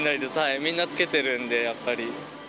みんな着けてるんで、やっぱり。